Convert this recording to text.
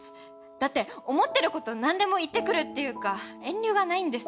だって思ってることなんでも言ってくるっていうか遠慮がないんです。